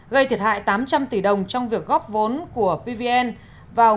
gây thiệt hại tám trăm linh tỷ đồng trong việc góp vô